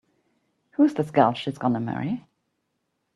Who's this gal she's gonna marry?